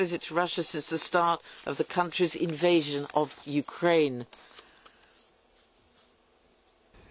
ウクライナ